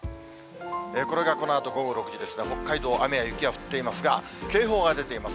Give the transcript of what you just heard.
これがこのあと午後６時ですが、北海道、雨や雪が降っていますが、警報が出ています。